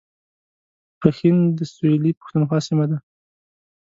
پښین د سویلي پښتونخوا سیمه ده